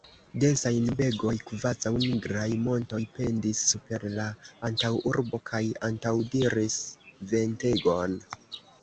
Densaj nubegoj, kvazaŭ nigraj montoj, pendis super la antaŭurbo kaj antaŭdiris ventegon.